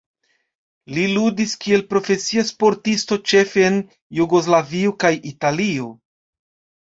Li ludis kiel profesia sportisto ĉefe en Jugoslavio kaj Italio.